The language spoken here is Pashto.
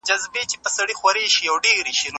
زه اوس په پوره اخلاص خدمت کوم.